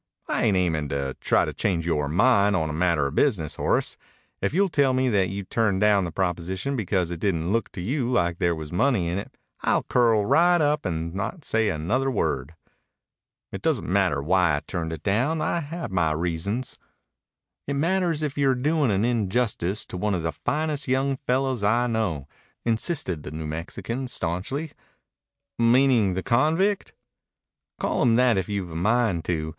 "I ain't aimin' to try to change yore mind on a matter of business, Horace. If you'll tell me that you turned down the proposition because it didn't look to you like there was money in it, I'll curl right up and not say another word." "It doesn't matter why I turned it down. I had my reasons." "It matters if you're doin' an injustice to one of the finest young fellows I know," insisted the New Mexican stanchly. "Meaning the convict?" "Call him that if you've a mind to.